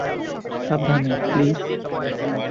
সাবধানে - প্লিজ।